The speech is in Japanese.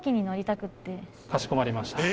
かしこまりました。